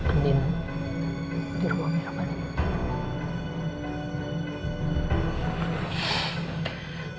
anin dirumah om irfan